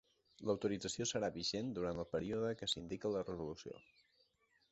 L'autorització serà vigent durant el període que s'indica a la resolució.